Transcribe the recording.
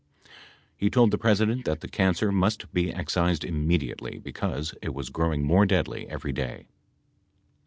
He told the President that the cancer must be excised immediately because it was growing more deadly every day.